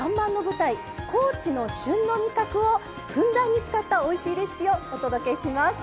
高知の旬の味覚をふんだんに使ったおいしいレシピをお届けします。